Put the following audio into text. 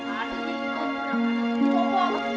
aduh ini kok kurang ada tuh